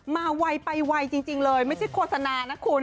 ไวไปไวจริงเลยไม่ใช่โฆษณานะคุณ